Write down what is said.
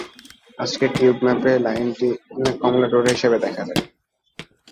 আজকের টিউব ম্যাপে লাইনটি কমলা ডোরা হিসেবে দেখা যায়।